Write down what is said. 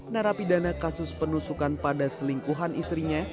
narapidana kasus penusukan pada selingkuhan istrinya